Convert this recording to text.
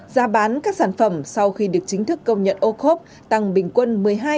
giá bán các sản phẩm sau khi được chính thức công nhận ô khốp tăng bình quân một mươi hai